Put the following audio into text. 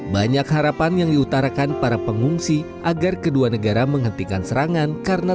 banyak harapan yang diutarakan para pengungsi agar kedua negara menghentikan serangan karena